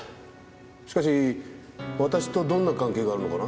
しかし私とどんな関係があるのかな？